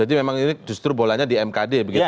jadi memang ini justru bolanya di mkd begitu ya